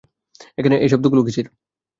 এখানে এই শব্দগুলো কিসের?